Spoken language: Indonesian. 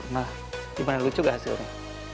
nah gimana lucu gak hasilnya